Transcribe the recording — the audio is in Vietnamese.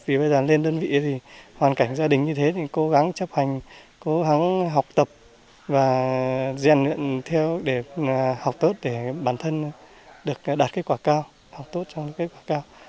vì bây giờ lên đơn vị thì hoàn cảnh gia đình như thế thì cố gắng chấp hành cố gắng học tập và rèn luyện theo để học tốt để bản thân được đạt kết quả cao học tốt trong kết quả cao